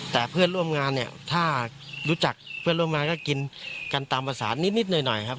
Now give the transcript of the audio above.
แต่เพื่อนร่วมงานเนี่ยถ้ารู้จักเพื่อนร่วมงานก็กินกันตามภาษานิดหน่อยครับ